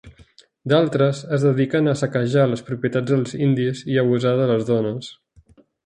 D'altres, es dediquen a saquejar les propietats dels indis i abusar de les dones.